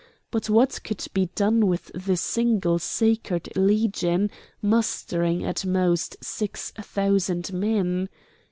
But what could be done with the single sacred Legion, mustering at most six thousand men?